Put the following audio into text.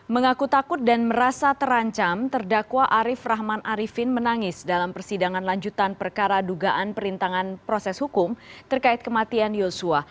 mengaku takut dan merasa terancam terdakwa arief rahman arifin menangis dalam persidangan lanjutan perkara dugaan perintangan proses hukum terkait kematian yosua